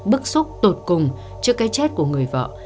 bức xúc tột cùng trước cái chết của người vợ